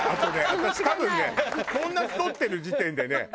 私多分ねこんな太ってる時点でね